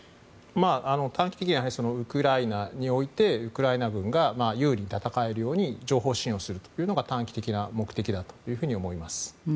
短期的にはウクライナにおいてウクライナ軍が有利に戦えるような情報支援するというのが短期的な目的だと思います。